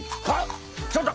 ちょっと！